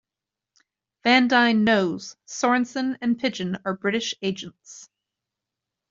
Van Dyne knows Sorensen and Pidgeon are British agents.